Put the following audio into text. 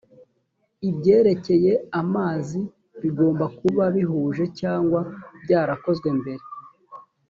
ibyerekeye amazi bigomba kuba bihuje cyangwa byarakozwe mbere